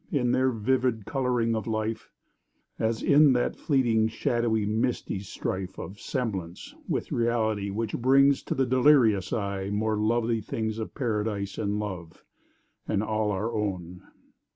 in their vivid colouring of life— As in that fleeting, shadowy, misty strife Of semblance with reality which brings To the delirious eye more lovely things Of Paradise & Love—& all our own!